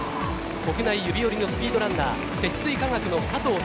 国内指折りのスピードランナー積水化学の佐藤早